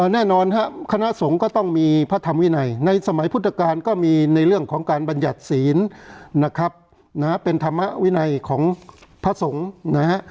แน่นอนครับคณะสงฆ์ก็ต้องมีพระธรรมวินัยในสมัยพุทธกาลก็มีในเรื่องของการบรรยัติศีลนะครับนะฮะเป็นธรรมวินัยของพระสงฆ์นะฮะ